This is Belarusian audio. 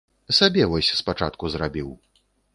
Сабе вось спачатку зрабіў.